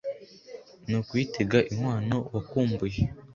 ni ukuyitega inkwano wakumbuye,